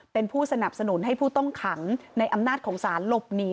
เป็นผู้สนับสนุนให้ผู้ต้องขังในอำนาจของสารหลบหนี